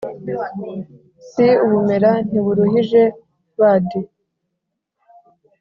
si ubumera ntiburuhijebadi